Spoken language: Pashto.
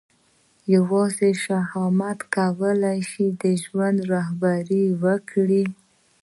یوازې شهامت کولای شي چې ژوند رهبري کړي.